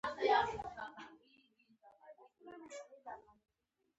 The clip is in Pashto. لا هغه ژڼۍ ژوندۍ دی، چی تر هوډه قربانیږی